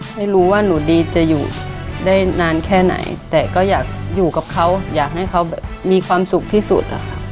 ไม่รู้ว่าหนูดีจะอยู่ได้นานแค่ไหนแต่ก็อยากอยู่กับเขาอยากให้เขามีความสุขที่สุดอะค่ะ